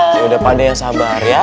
ya udah pak d yang sabar ya